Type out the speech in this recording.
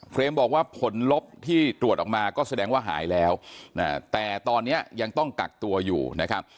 บอกว่าผลลบที่ตรวจออกมาก็แสดงว่าหายแล้วแต่ตอนนี้ยังต้องกักตัวอยู่นะครับ